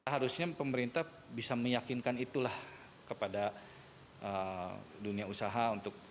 harusnya pemerintah bisa meyakinkan itulah kepada dunia usaha untuk